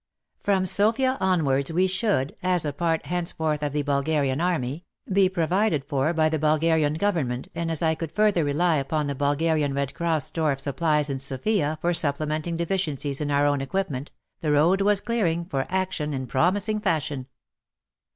From Sofia onwards we should, as a part henceforth of the Bulgarian army, be provided for by the Bulgarian government, and as I could further rely upon the Bulgarian Red Cross store of supplies in Sofia for supplementing deficiencies in our own equipment, the road was clearing for action in promising fashion.